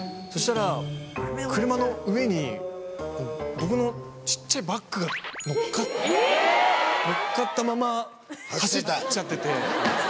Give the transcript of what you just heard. そしたら車の上に僕の小っちゃいバッグが載っかったまま走っちゃってて。